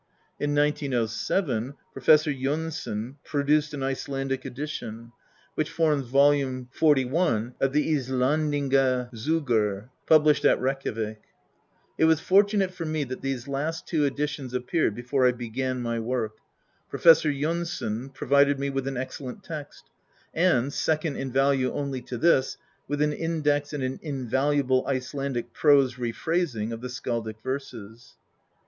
In 1907, Professor Jonsson produced an Icelandic edition, INTRODUCTION xxi which forms volume xH of the hlendinga Sogur^ pubHshed at Reykjavik. It was fortunate for me that these last two editions ap peared before I began my work. Professor Jonsson pro vided me with an excellent text; and, second in value only to this, with an index and an invaluable Icelandic prose re phrasing of the skaldic verses.